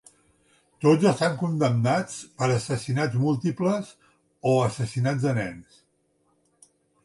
Tots estan condemnats per assassinats múltiples o assassinats de nens.